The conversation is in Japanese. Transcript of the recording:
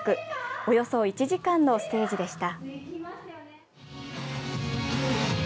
およそ１時間のステージでした。